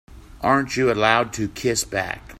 Aren't you allowed to kiss back?